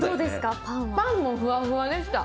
パンもふわふわでした。